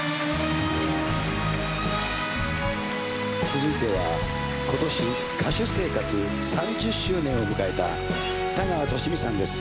続いては今年歌手生活３０周年を迎えた田川寿美さんです。